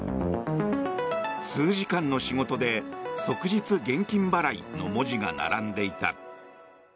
数時間の仕事で即日現金払いの文字が並んでいた。